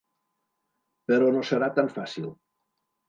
Però no serà tan fàcil.